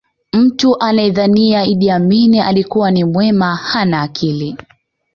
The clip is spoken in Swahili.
mtu anayedhania idi amin alikuwa ni mwema hana akili